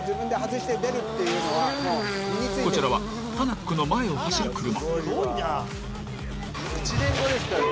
こちらはタナックの前を走る車。